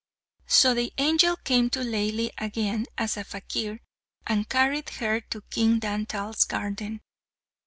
So the angel came to Laili again as a fakir and carried her to King Dantal's garden.